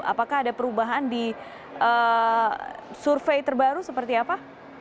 apakah ada perubahan di survei terbaru seperti apa